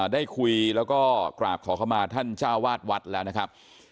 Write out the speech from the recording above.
ได้คุยแล้วก็กราบขอเข้ามาท่านเจ้าวาดวัดแล้วนะครับ